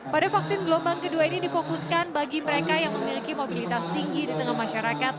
pada vaksin gelombang kedua ini difokuskan bagi mereka yang memiliki mobilitas tinggi di tengah masyarakat